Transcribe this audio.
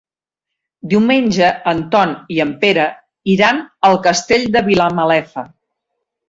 Diumenge en Ton i en Pere iran al Castell de Vilamalefa.